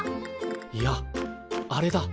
いやあれだ。